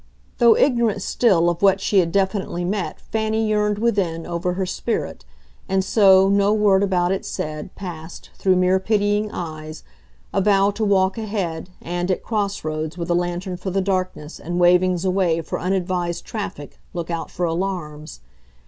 Though ignorant still of what she had definitely met Fanny yearned, within, over her spirit; and so, no word about it said, passed, through mere pitying eyes, a vow to walk ahead and, at crossroads, with a lantern for the darkness and wavings away for unadvised traffic, look out for alarms.